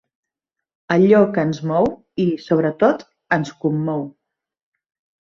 Allò que ens mou i, sobretot, ens commou.